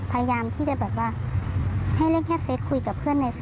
พยายามที่จะแบบว่า